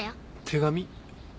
手紙？